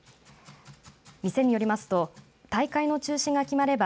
店によりますと大会の中止が決まれば